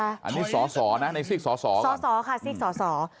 อันนี้สาสานะสิกสาสะก่อน